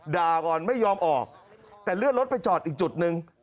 ด่าก่อนไม่ยอมออกแต่เลื่อนรถไปจอดอีกจุดหนึ่ง